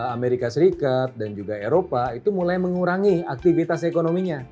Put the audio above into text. amerika serikat dan juga eropa itu mulai mengurangi aktivitas ekonominya